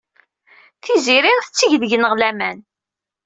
Tiziri tetteg deg-neɣ laman.